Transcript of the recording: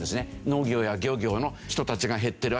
農業や漁業の人たちが減ってる。